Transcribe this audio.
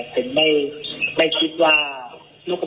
ตรงได้ยิงไปที่ตู้กระจกทองสองนับ